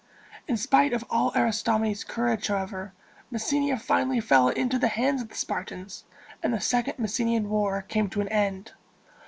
In spite of all Aristomenes' courage, however, Messenia finally fell into the hands of the Spartans, and the Second Messenian War came to an end.